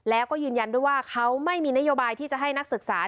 แล้วก็ยืนยันด้วยว่าเขาไม่มีนโยบายที่จะให้นักศึกษา